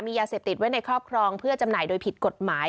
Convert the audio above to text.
ยาเสพติดไว้ในครอบครองเพื่อจำหน่ายโดยผิดกฎหมาย